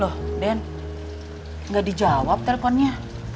loh den nggak dijawab teleponnya